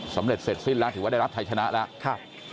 เสร็จสิ้นแล้วถือว่าได้รับชัยชนะแล้ว